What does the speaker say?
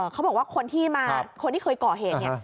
เขาบอกว่าคนที่มาคนที่เคยก่อเหตุเนี่ย